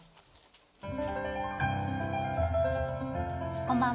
こんばんは。